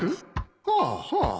はあはあ